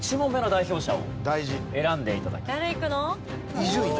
伊集院光。